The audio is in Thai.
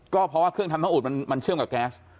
ก็เพราะว่าเครื่องทำน้ำอุดมันเชื่อมกับแก๊ส